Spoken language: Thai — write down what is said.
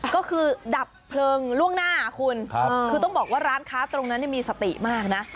ก็คือดับเพลิงล่วงหน้าคุณคือต้องบอกว่าร้านค้าตรงนั้นมีสติมากนะ